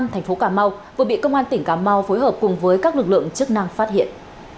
thành phố cà mau vừa bị công an tỉnh cà mau phối hợp cùng với các lực lượng chức năng phát hiện